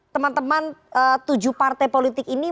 teman teman tujuh partai politik ini